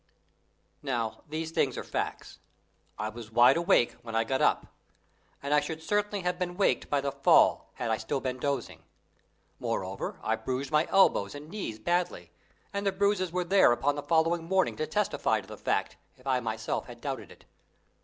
Now these things are facts. I was wide awake when I got up, and I should certainly have been waked by the fall had I still been dozing. Moreover, I bruised my elbows and knees badly, and the bruises were there on the following morning to testify to the fact, if I myself had doubted it.